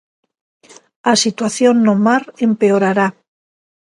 A situación no mar empeorará.